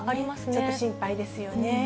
ちょっと心配ですよね。